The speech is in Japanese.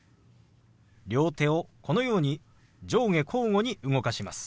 両手をこのように上下交互に動かします。